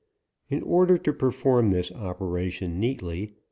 In order to perform this operation neatly